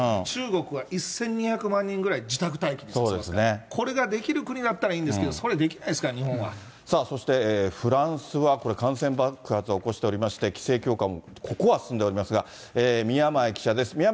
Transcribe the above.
中国は１２００万人ぐらい自宅待機してますから、これができる国だったらいいんですけど、それはできないですから、さあ、そしてフランスはこれ、感染爆発を起こしておりまして、規制強化も、ここは進んでおりますが、宮前記者です。